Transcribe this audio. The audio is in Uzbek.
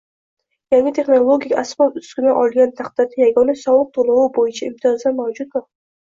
Yangi texnologik asbob-uskuna olgan taqdirda yagona soliq to‘lovi bo‘yicha imtiyozlar mavjudmi?